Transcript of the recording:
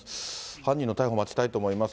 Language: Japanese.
犯人の逮捕を待ちたいと思います。